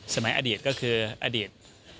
สมัยอดีตก็คืออดีต